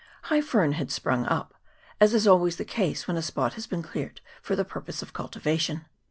High fern had sprung up, as is always the case when a spot has been cleared for the pur pose of cultivation.